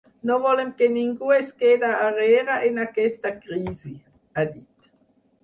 “No volem que ningú es quede arrere en aquesta crisi”, ha dit.